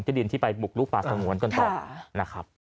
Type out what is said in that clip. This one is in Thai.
ดินที่ไปบุกลุกป่าสงวนกันต่อนะครับ